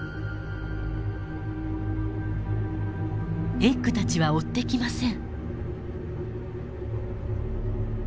エッグたちは追ってきません。